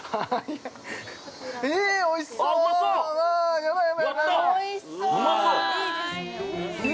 ◆へぇ、おいしそう！